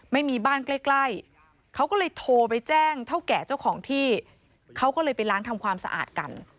ไม่มีบ้านใกล้ใกล้เขาก็เลยโทรไปแจ้งเท่าแก่เจ้าของที่เขาก็เลยไปล้างทำความสะอาดกัน